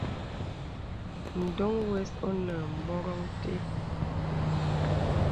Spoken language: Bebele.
Ndoŋ wəs onə bwarəŋ té.